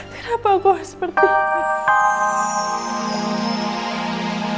kenapa aku harus seperti ini